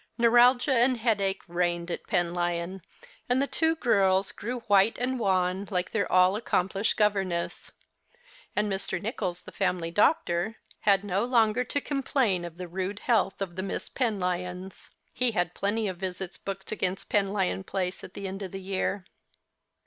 Neuralgia and headache reigned at Penlyon ; and the two girls grew ^\■hite and wan, like their all accomplished governess ; and Mr. Nicholls, the family doctor, had no The Christmas Hirelings. 63 longer to complain of the rude health of the Miss Penlyons. He had plenty of visits booked against Penlyon Place at the end of the year.